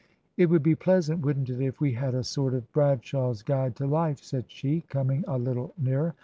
" It would be pleasant, wouldn't it, if we had a sort of Bradshaw's Guide to Life ?" said she, coming a little nearer.